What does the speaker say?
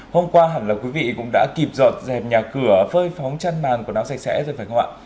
hôm qua hẳn là quý vị cũng đã kịp dọt dẹp nhà cửa phơi phóng chăn màn của nắng sạch sẽ rồi phải không ạ